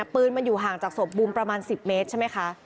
ปืนมันอยู่ห่างจากศพบูมประมาณ๑๐เมตรใช่ไหมคะ